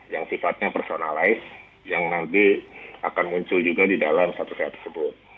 yang sifatnya personalize yang nanti akan muncul juga di dalam satu sehat tersebut